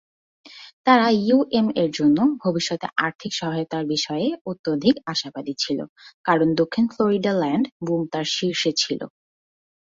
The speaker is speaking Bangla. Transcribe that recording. তারা ইউএম-এর জন্য ভবিষ্যতের আর্থিক সহায়তার বিষয়ে অত্যধিক আশাবাদী ছিল, কারণ দক্ষিণ ফ্লোরিডা ল্যান্ড বুম তার শীর্ষে ছিল।